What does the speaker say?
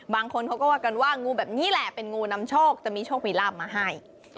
บางคนเขาก็ว่ากันว่างูแบบนี้แหละเป็นงูนำโชคจะมีโชคมีลาบมาให้